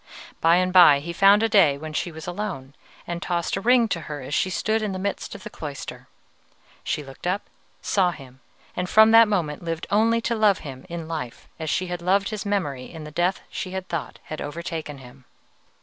By and by he found a day when she was alone, and tossed a ring to her as she stood in the midst of the cloister. She looked up, saw him, and from that moment lived only to love him in life as she had loved his memory in the death she had thought had overtaken him.